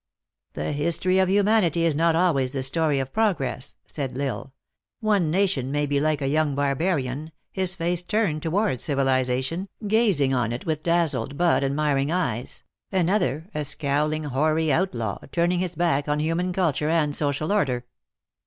" The history of humanity is not always the story of progress," said L lsle ;" one nation may be like a young barbarian, his face turned toward civilization, gazing on it with dazzled but admiring eyes ; an other, a scowling, hoary outlaw, turning his back on human culture and social order